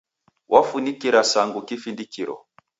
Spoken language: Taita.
Wafunikira Sangu kifindikiro